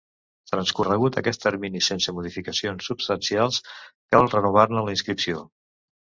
Transcorregut aquest termini sense modificacions substancials, cal renovar-ne la inscripció.